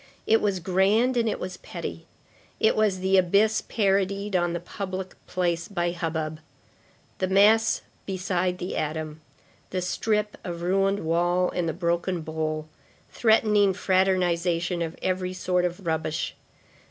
It was grand and it was petty. It was the abyss parodied on the public place by hubbub. The mass beside the atom; the strip of ruined wall and the broken bowl,—threatening fraternization of every sort of rubbish.